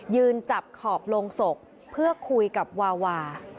ยืนจับขอบลงศพเพื่อคุยกับวาวา